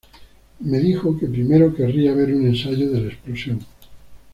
Me dijo que primero querría ver un ensayo de la explosión.